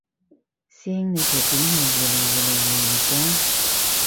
師兄你條片係二零二零年錄嘅？